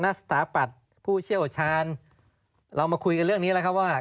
สถาปัตย์ผู้เชี่ยวชาญเรามาคุยกันเรื่องนี้แล้วครับว่า